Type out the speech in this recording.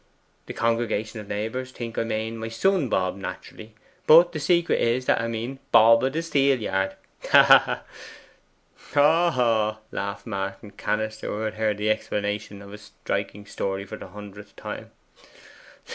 The congregation of neighbours think I mane my son Bob, naturally; but the secret is that I mane the bob o' the steelyard. Ha, ha, ha!' 'Haw, haw, haw!' laughed Martin Cannister, who had heard the explanation of this striking story for the hundredth time.